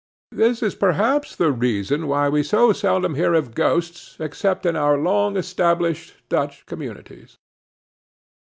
This is perhaps the reason why we so seldom hear of ghosts except in our long established Dutch communities.